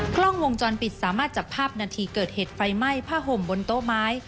กล้องวงจรปิดสามารถจับภาพนาทีเกิดเหตุไฟไหม้ผ้าห่มบนโต๊ะไม้